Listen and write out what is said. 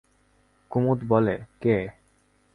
কুমুদ বলে, কে?